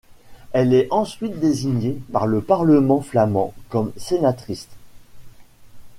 Elle est ensuite désignée par le Parlement flamand comme sénatrice.